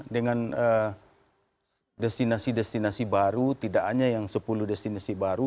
dengan destinasi destinasi baru tidak hanya yang sepuluh destinasi baru